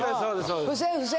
そうです